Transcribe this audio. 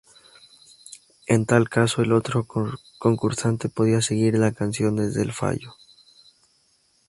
En tal caso el otro concursante podía seguir la canción desde el fallo.